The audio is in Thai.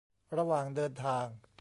ระหว่างเดินทาง